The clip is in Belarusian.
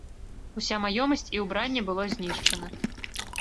Уся маёмасць і ўбранне было знішчана.